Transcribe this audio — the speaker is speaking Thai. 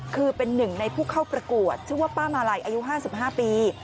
คือเป็นหนึ่งในผู้เข้าประกวดชื่อว่าป้ามาลัยอายุ๕๕ปี